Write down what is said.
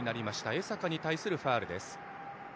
江坂に対するファウル。